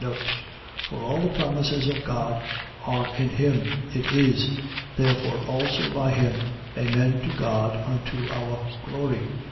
For all the promises of God are in him, It is. Therefore also by him, amen to God, unto our glory.